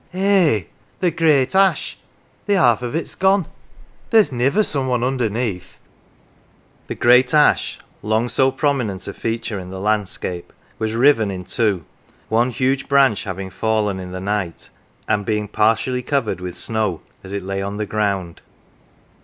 " Eh ! the great ash ! the half of it's gone ! There's niver some one underneath !" The great ash, long so prominent a feature in the landscape, was riven in two, one huge branch having fallen in the night, and being partially covered with snow as it lay on the ground.